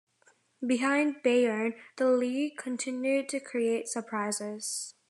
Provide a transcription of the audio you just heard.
Behind Bayern, the league continued to create surprises.